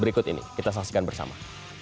berikut ini kita saksikan bersama